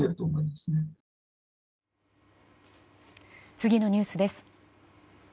次のニュースです。